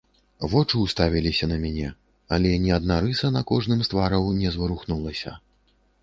Вочы ўставіліся на мяне, але ні адна рыса на кожным з твараў не зварухнулася.